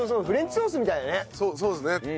そうですね。